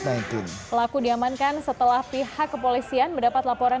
pelaku diamankan setelah pihak kepolisian mendapat laporan